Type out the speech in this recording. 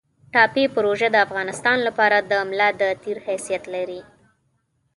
ټاپي پروژه د افغانستان لپاره د ملا د تیر حیثیت لري